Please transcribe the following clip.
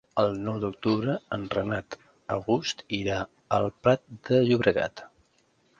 El nou d'octubre en Renat August irà al Prat de Llobregat.